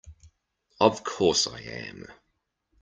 Of course I am!